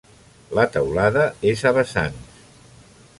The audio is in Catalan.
La teulada és a vessants.